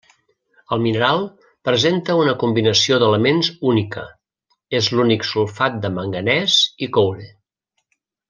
El mineral presenta una combinació d’elements única: és l’únic sulfat de manganès i coure.